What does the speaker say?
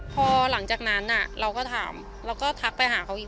พอหลังจากนั้นเราก็ถามเราก็ทักไปหาเขาอีก